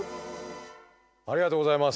ありがとうございます。